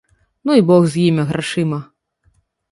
Ну і бог з імі, грашыма.